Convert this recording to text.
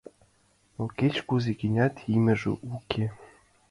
Но кеч-кузе гынат, имньыже уке.